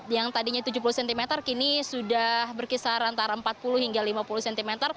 yang tadinya tujuh puluh cm kini sudah berkisar antara empat puluh hingga lima puluh cm